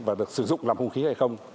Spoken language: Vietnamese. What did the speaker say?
và được sử dụng làm hung khí hay không